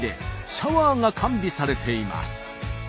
シャワーが完備されています。